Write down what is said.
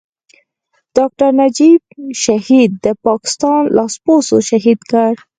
ډاکټر نجيب شهيد د پاکستان لاسپوڅو شهيد کړ.